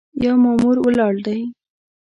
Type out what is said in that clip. یو مامور ولاړ دی.